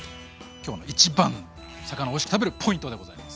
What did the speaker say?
今日の一番の魚をおいしく食べるポイントでございます。